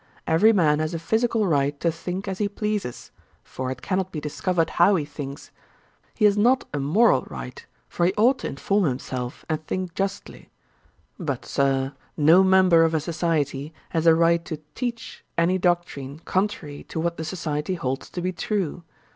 Every man has a physical right to think as he pleases; for it cannot be discovered how he thinks. He has not a moral right, for he ought to inform himself, and think justly. But, Sir, no member of a society has a right to teach any doctrine contrary to what the society holds to be true.